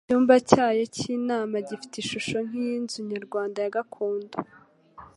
icyumba cyayo k'inama gifite ishusho nk'iy'inzu nyarwanda ya gakondo,